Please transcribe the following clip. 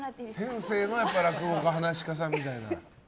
天性の落語家噺家さんみたいな。